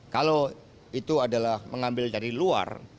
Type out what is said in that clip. kalau itu adalah mengambil dari luar